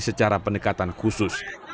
secara pendekatan khusus